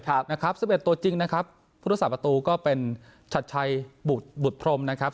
๑๑ตัวจริงนะครับผู้ทดสอบประตูก็เป็นชัดชัยบุตรพรมนะครับ